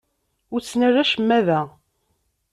Ur ttnal acemma da.